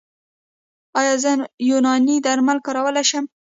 ایا زه یوناني درمل کارولی شم؟